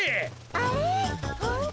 あれ本当だ。